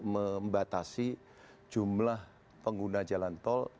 membatasi jumlah pengguna jalan tol